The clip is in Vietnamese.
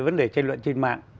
vấn đề tranh luận trên mạng